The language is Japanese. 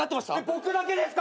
僕だけですか！？